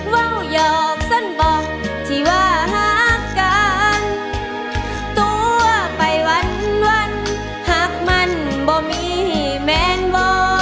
ว่าวหยอกสั้นบอกที่ว่าหากกันตัวไปวันหากมันบ่มีแมนวอ